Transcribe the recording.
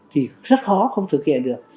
thì rất khó không thực hiện được